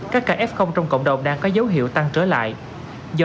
các kf trong cộng đồng